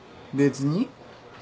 別に。